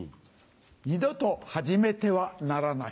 二度と始めてはならない。